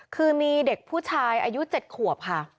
คือมีเด็กผู้ชายอายุ๗ขวบค่ะ